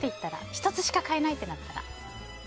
１つしか買えないってなったら？